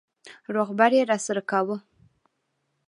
روغبړ يې راسره کاوه.